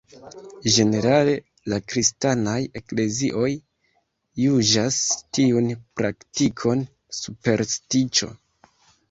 Ĝenerale la kristanaj eklezioj juĝas tiun praktikon superstiĉo.